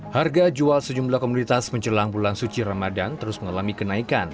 harga jual sejumlah komunitas menjelang bulan suci ramadan terus mengalami kenaikan